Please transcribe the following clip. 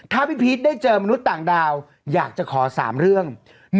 ถ้าพี่พีชได้เจอมนุษย์ต่างดาวอยากจะขอ๓เรื่อง